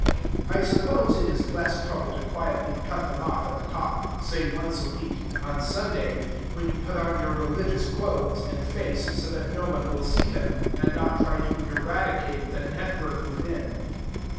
I suppose it is less trouble to quietly cut them off at the top say once a week, on Sunday, when you put on your religious clothes and face so that no one will see them, and not try to eradicate the network within.